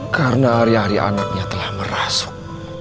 karena ari ari anaknya telah merasuk